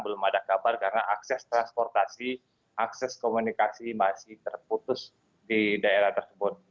belum ada kabar karena akses transportasi akses komunikasi masih terputus di daerah tersebut